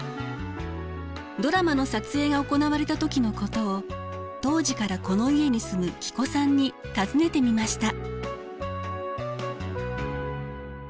ドラマの撮影が行われた時のことを当時からこの家に住む喜古さんに尋ねてみました。